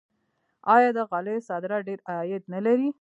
آیا د غالیو صادرات ډیر عاید نلري؟